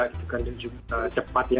itu kan juga cepat ya